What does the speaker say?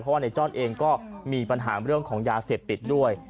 เพราะว่าในจ้อนเองก็มีปัญหาเรื่องของยาเสพติดด้วย